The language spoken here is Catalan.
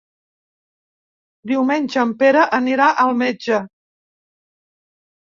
Diumenge en Pere anirà al metge.